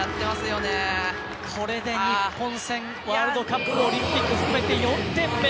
これで日本戦、ワールドカップオリンピック含めて４点目。